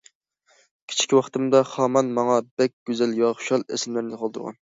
كىچىك ۋاقتىمدا خامان ماڭا بەك گۈزەل ۋە خۇشال ئەسلىمىلەرنى قالدۇرغان.